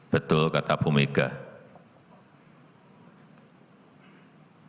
betul kata bung karno